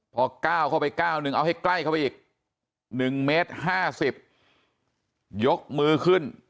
พอก้าวเข้าไปก้าวนึงเอาให้ใกล้เข้าไปอีก๑เมตร๕๐ยกมือขึ้น